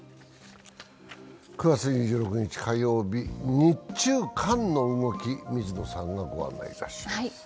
９月２６日火曜日、日中韓の動き、水野さんがご案内いたします。